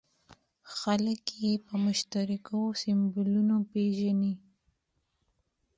خلک یې په مشترکو سیمبولونو پېژني.